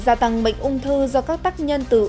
giả tăng bệnh ung thư do các tác nhân từ ô nhiễm môi trường